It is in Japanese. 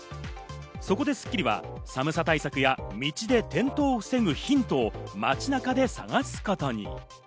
そこで『スッキリ』は寒さ対策や道で転倒を防ぐヒントを街中で探すことに。